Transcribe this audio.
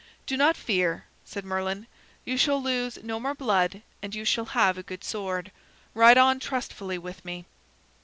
"Do not fear," said Merlin. "You shall lose no more blood and you shall have a good sword. Ride on trustfully with me."